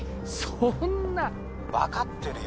そんな☎分かってるよ